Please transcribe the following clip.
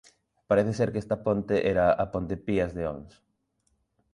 Parece ser que esta ponte era a Ponte Pías de Ons.